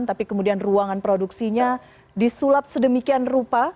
tapi kemudian ruangan produksinya disulap sedemikian rupa